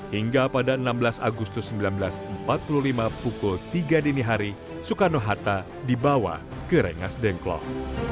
hingga pada enam belas agustus seribu sembilan ratus empat puluh lima pukul tiga dini hari soekarno hatta dibawa ke rengas dengklok